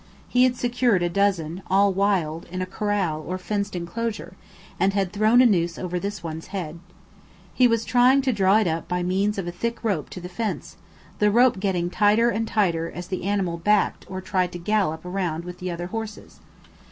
He had secured a dozen, all wild, in a corral or fenced enclosure, and had thrown a noose over this one's head. He was trying to draw it up by means of a thick rope to the fence, the rope getting tighter and tighter as the animal backed or tried to gallop round with the other horses.